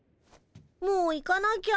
もう行かなきゃ。